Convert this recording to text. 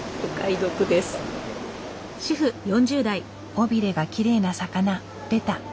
尾ビレがきれいな魚ベタ。